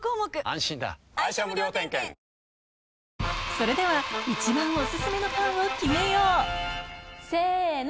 それでは一番オススメのパンを決めよう！せの！